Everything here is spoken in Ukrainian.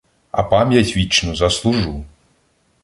А пам'ять вічну заслужу.